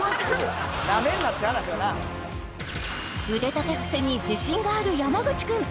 腕立て伏せに自信がある山口くん